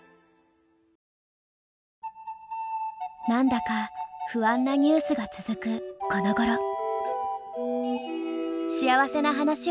何だか不安なニュースが続くこのごろ。